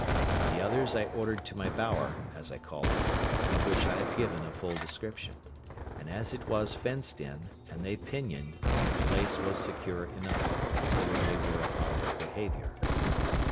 The others I ordered to my bower, as I called it, of which I have given a full description: and as it was fenced in, and they pinioned, the place was secure enough, considering they were upon their behaviour.